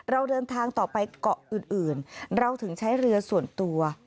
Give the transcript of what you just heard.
เราเดินทางต่อไปเกาะอื่นเราถึงใช้เรือส่วนตัว